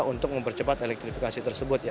untuk mempercepat elektrifikasi tersebut